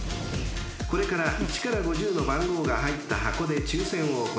［これから１から５０の番号が入った箱で抽選を行います］